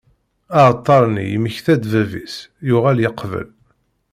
Aεeṭṭar-nni yemmekta-d bab-is, yuγal yeqbel.